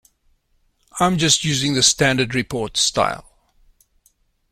I'm just using the standard report style.